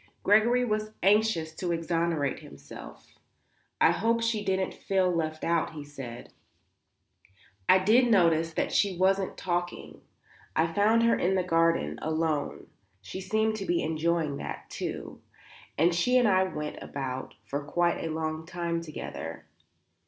Gregory was anxious to exonerate himself. "I hope she didn't feel left out;" he said. "I did notice that she wasn't talking. I found her in the garden, alone she seemed to be enjoying that, too and she and I went about for quite a long time together."